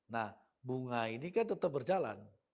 nah bunga ini kan tetap berjalan